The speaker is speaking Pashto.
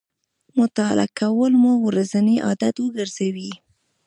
مطالعه کول مو ورځنی عادت وګرځوئ